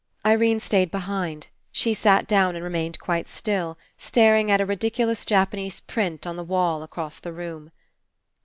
Irene stayed behind. She sat down and remained quite still, staring at a ridiculous Japanese print on the wall across the room.